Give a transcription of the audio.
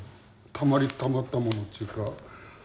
たまりにたまったものっていうか。